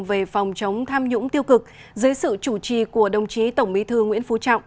về phòng chống tham nhũng tiêu cực dưới sự chủ trì của đồng chí tổng bí thư nguyễn phú trọng